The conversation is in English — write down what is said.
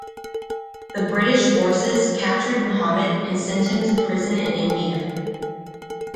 The British forces captured Muhammad and sent him to prison in India.